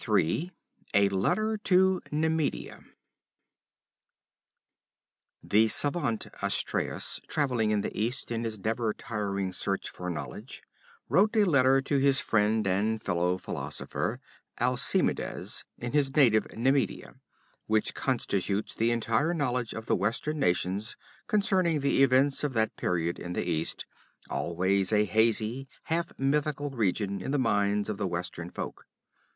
3 A Letter to Nemedia The savant Astreas, traveling in the East in his never tiring search for knowledge, wrote a letter to his friend and fellow philosopher Alcemides, in his native Nemedia, which constitutes the entire knowledge of the Western nations concerning the events of that period in the East, always a hazy, half mythical region in the minds of the Western folk.